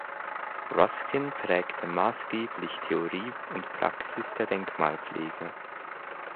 Ruskin prägte maßgeblich Theorie und Praxis der Denkmalpflege.